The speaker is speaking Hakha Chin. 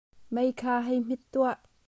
Mei kha hei hmit tuah.